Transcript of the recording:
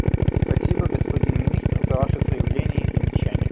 Спасибо, господин Министр, за Ваше заявление и замечания.